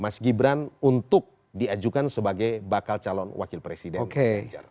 mas gibran untuk diajukan sebagai bakal calon wakil presiden mas ganjar